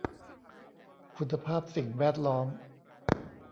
คุณภาพสิ่งแวดล้อม